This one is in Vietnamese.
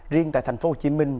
riêng tại thành phố hồ chí minh